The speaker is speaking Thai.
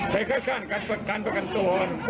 ไปคัดค้านกัดประกันประกันตัว